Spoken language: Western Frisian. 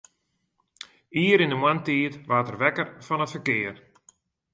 Ier yn 'e moarntiid waard er wekker fan it ferkear.